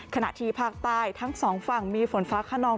ขณะที่ภาคใต้ทั้งสองฝั่งมีฝนฟ้าขนอง